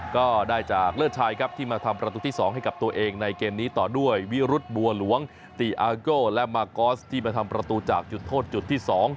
ก็ได้จากเลิศชายครับที่มาทำประตูที่๒ให้กับตัวเองในเกมนี้ต่อด้วยวิรุธบัวหลวงติอาโก้และมากอสที่มาทำประตูจากจุดโทษจุดที่๒